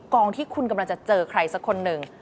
ที่คุณกำลังจะเจอใครสักคนหนึ่ง